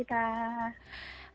terima kasih banyak mbak